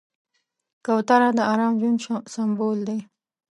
کوتره د ارام ژوند سمبول دی.